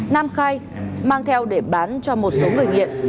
nam khai mang theo để bán cho một số người nghiện